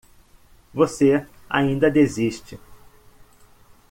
Você ainda desiste